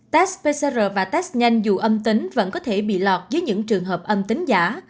tass pcr và test nhanh dù âm tính vẫn có thể bị lọt dưới những trường hợp âm tính giả